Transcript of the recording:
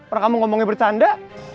orang kamu ngomongnya bercanda